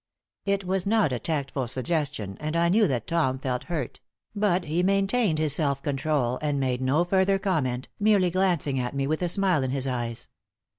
It was not a tactful suggestion, and I knew that Tom felt hurt; but he maintained his self control and made no further comment, merely glancing at me with a smile in his eyes.